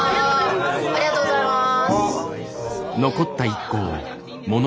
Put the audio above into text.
ありがとうございます。